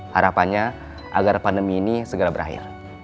harapannya agar pandemi ini segera berakhir